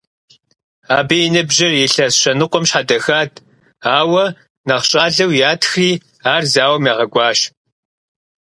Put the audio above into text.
Абы и ныбжьыр илъэс щэ ныкъуэм щхьэдэхат, ауэ нэхъ щӏалэу ятхри, ар зауэм ягъэкӏуащ.